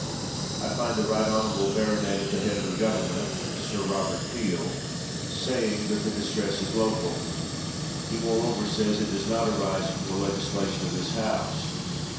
I find the right honorable baronet at the head of the government [Sir Robert Peel] saying that the distress is local; and he moreover says it does not arise from the legislation of this House.